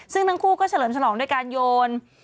ซึ่งทั้งคู่ก็เฉลิมฉลองด้วยการโยน